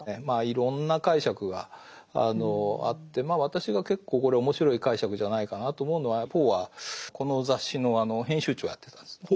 まあいろんな解釈があって私が結構これ面白い解釈じゃないかなと思うのはポーはこの雑誌の編集長をやってたんです。